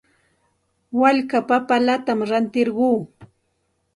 Walka papallatam rantirquu.